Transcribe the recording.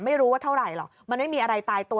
ไม่รู้ว่าเท่าไหร่หรอกมันไม่มีอะไรตายตัว